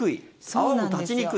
泡も立ちにくい？